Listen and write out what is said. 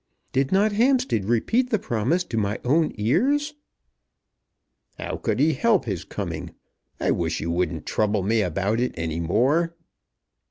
Did not Hampstead repeat the promise to my own ears?" "How could he help his coming? I wish you wouldn't trouble me about it any more."